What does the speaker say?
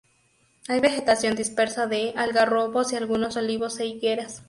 Hay vegetación dispersa de algarrobos y algunos olivos e higueras.